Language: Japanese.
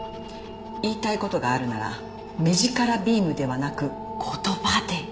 言いたい事があるなら目力ビームではなく言葉で。